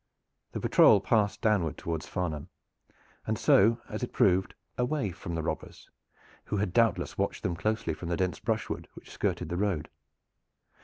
The patrol passed downward toward Farnham, and so, as it proved, away from the robbers, who had doubtless watched them closely from the dense brushwood which skirted the road.